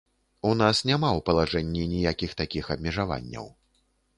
У нас няма ў палажэнні ніякіх такіх абмежаванняў.